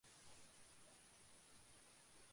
তিনি কোপেনহেগেনে মৃত্যুবরণ করেন।